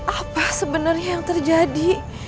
apa sebenarnya yang terjadi